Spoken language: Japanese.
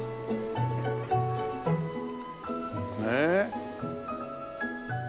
ねえ。